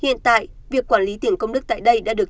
hiện tại việc quản lý tiền công đức tại đây đã được